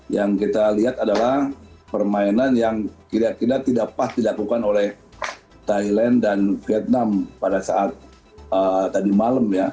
yang kita lihat adalah permainan yang kira kira tidak pas dilakukan oleh thailand dan vietnam pada saat tadi malam ya